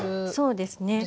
そうですね。